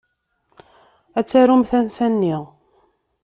Ad tarum tansa-nni.